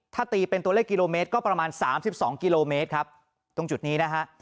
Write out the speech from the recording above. ถ้าตีเป็นตัวเลขกิโลเมตรก็ประมาณ๓๒กิโลเมตรครับตรงจุดนี้นะฮะ